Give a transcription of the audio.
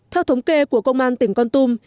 theo thống kê của công an tỉnh con tum